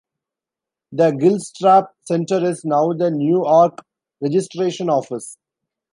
The Gilstrap Centre is now the Newark Registration Office.